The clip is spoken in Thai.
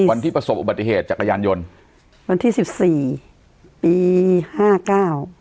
ประสบอุบัติเหตุจักรยานยนต์วันที่สิบสี่ปีห้าเก้า